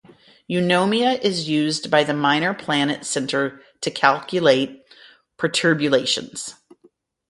Eunomia is used by the Minor Planet Center to calculate perturbations.